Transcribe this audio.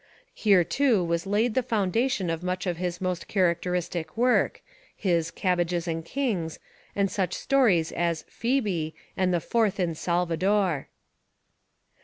Here too was laid the foundation of much of his most characteristic work, — his Cabbages and Kings, and such stories as Phcebe and The Fourth in Salvador.